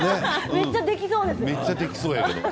めっちゃできそうやけど。